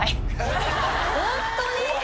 ホントに？